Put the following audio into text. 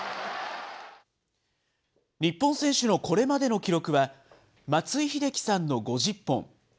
日本選手のこれまでの記録は、松井秀喜さんの５０本。